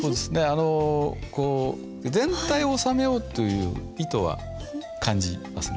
あの全体を収めようという意図は感じますので。